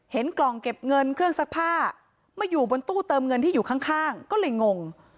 กล่องเก็บเงินเครื่องซักผ้ามาอยู่บนตู้เติมเงินที่อยู่ข้างก็เลยงง